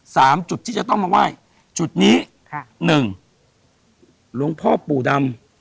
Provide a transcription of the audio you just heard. จุดที่จะต้องมาไหว้จุดนี้ค่ะหนึ่งหลวงพ่อปู่ดำ